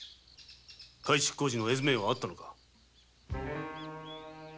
改築工事の絵図面はあったのか？